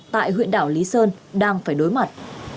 tại huyện đảo lý sơn đang phải đối mặt